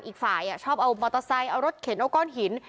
อีกฝ่ายชอบเอามอเตอร์ไซค์เอารถเข็นเอาก้อนหิน